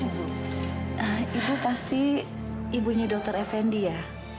itu pasti ibunya dokter effendi ya